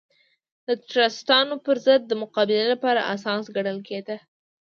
د ټراستانو پر ضد د مقابلې لپاره اساس ګڼل کېده.